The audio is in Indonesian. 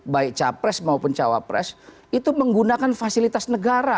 baik capres maupun cawapres itu menggunakan fasilitas negara